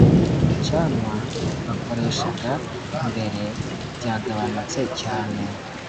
ibicanwa bakoreshaga mbere byagabanutse cyane.